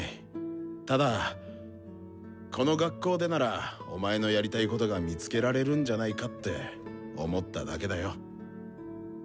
ただこの学校でならお前のやりたいことが見つけられるんじゃないかって思っただけだよ。